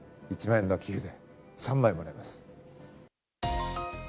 １万円の寄付で３枚もらえます。